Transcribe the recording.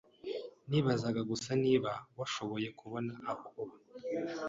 Nibazaga gusa niba washoboye kubona aho uba.